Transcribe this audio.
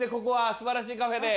素晴らしいカフェで。